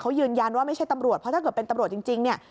เขายืนยันว่าไม่ใช่ตำรวจเพราะถ้าเกิดเป็นตำรวจจริงเนี่ย